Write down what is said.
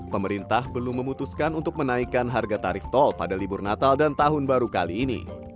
pemerintah belum memutuskan untuk menaikkan harga tarif tol pada libur natal dan tahun baru kali ini